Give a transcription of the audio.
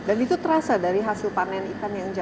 dan itu terasa dari hasil panen ikan yang jauh ini pak